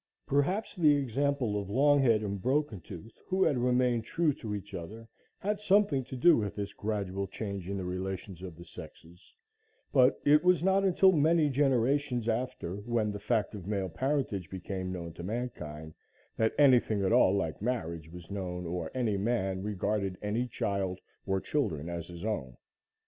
Perhaps the example of Longhead and Broken Tooth, who had remained true to each other, had something to do with this gradual change in the relations of the sexes, but it was not until many generations after when the fact of male parentage became known to mankind, that anything at all like marriage was known or any man regarded any child or children as his own.